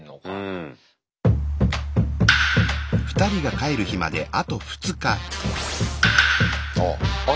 うん。ああ。